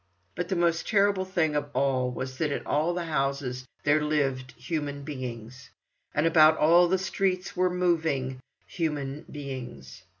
But the most terrible thing of all was, that in all the houses there lived human beings, and about all the streets were moving human beings.